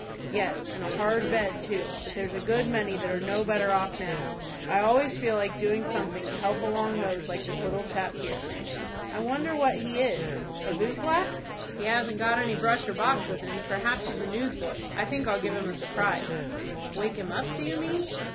"Yes, and a hard bed too; but there's a good many that are no better off now. I always feel like doing something to help along those like this little chap here." "I wonder what he is, a boot black?" "He hasn't got any brush or box with him. Perhaps he's a newsboy. I think I'll give him a surprise." "Wake him up, do you mean?"